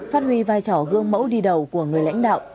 phát huy vai trò gương mẫu đi đầu của người lãnh đạo